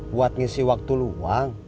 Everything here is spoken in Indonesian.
buat ngisi waktu luang